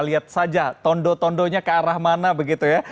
lihat saja tondo tondonya ke arah mana begitu ya